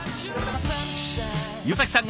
岩崎さん